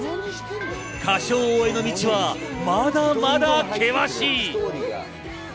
『歌唱王』への道はまだまだ険しい。